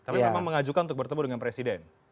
tapi memang mengajukan untuk bertemu dengan presiden